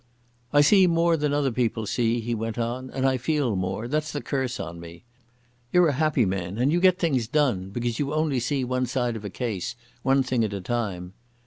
"I see more than other people see," he went on, "and I feel more. That's the curse on me. You're a happy man and you get things done, because you only see one side of a case, one thing at a time.